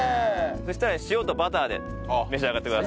そしたら塩とバターで召し上がってください。